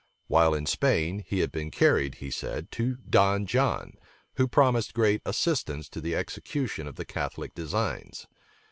While in Spain, he had been carried, he said, to Don John, who promised great assistance to the execution of the Catholic designs.